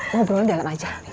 ngobrolnya dalam aja